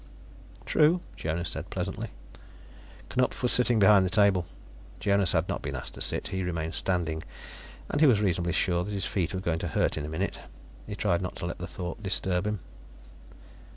"True," Jonas said pleasantly. Knupf was sitting behind the table. Jonas had not been asked to sit; he remained standing, and he was reasonably sure that his feet were going to hurt in a minute. He tried not to let the thought disturb him.